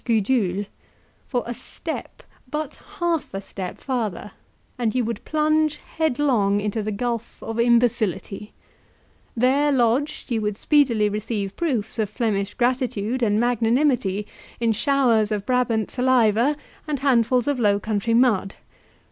Gudule; for a step but half a step farther, and you would plunge headlong into the gulf of imbecility; there lodged, you would speedily receive proofs of Flemish gratitude and magnanimity in showers of Brabant saliva and handfuls of Low Country mud.